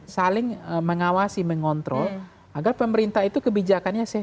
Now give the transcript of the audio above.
saling mengawasi mengontrol agar pemerintah itu kebijakannya sehat